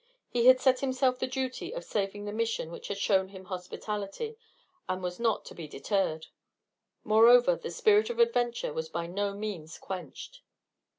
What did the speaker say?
He had set himself the duty of saving the Mission which had shown him hospitality, and was not to be deterred. Moreover, the spirit of adventure was by no means quenched.